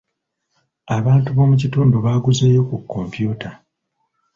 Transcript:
Abantu b'omu kitundu baaguzeyo ku kompyuta.